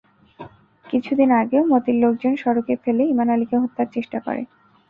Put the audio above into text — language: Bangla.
কিছুদিন আগেও মতির লোকজন সড়কে ফেলে ইমান আলীকে হত্যার চেষ্টা করে।